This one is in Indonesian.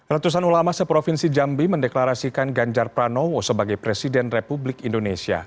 ratusan ulama seprovinsi jambi mendeklarasikan ganjar pranowo sebagai presiden republik indonesia